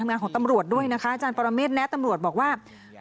คิดว่าไม่นานคงจับตัวได้แล้วก็จะต้องเค้นไปถามตำรวจที่เกี่ยวข้อง